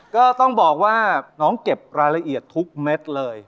ก็ต้องบอกว่าน้องเก็บรายละเอียดทุกเม็ดเลย